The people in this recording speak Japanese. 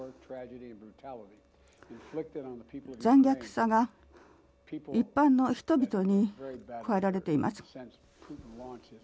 残虐さが一般の人々に加えられています。